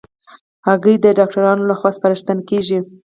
هګۍ د ډاکټرانو له خوا سپارښتنه کېږي.